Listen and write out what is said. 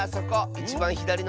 いちばんひだりのれつ。